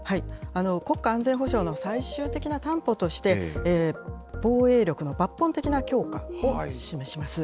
国家安全保障の最終的な担保として、防衛力の抜本的な強化を示します。